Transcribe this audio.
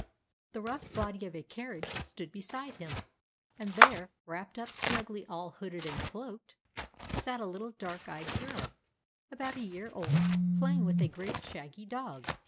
The rough body of a carriage stood beside him, and there, wrapped up snugly, all hooded and cloaked, sat a little dark eyed girl, about a year old, playing with a great, shaggy dog.